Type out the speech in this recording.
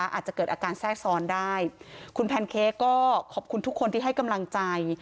อาจจะเกิดอาการแทรกซ้อนได้คุณแพนเค้กก็ขอบคุณทุกคนที่ให้กำลังใจ